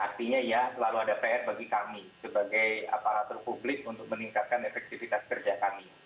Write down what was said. artinya ya selalu ada pr bagi kami sebagai aparatur publik untuk meningkatkan efektivitas kerja kami